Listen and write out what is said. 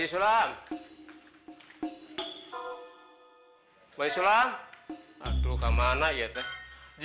ya udah mak statements juga akan libro essays lho